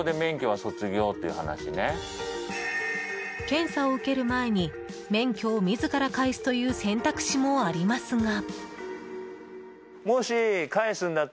検査を受ける前に免許を自ら返すという選択肢もありますが。